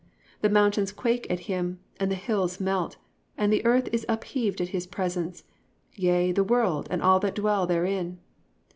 (5) The mountains quake at him, and the hills melt; and the earth is upheaved at his presence, yea, the world, and all that dwell therein.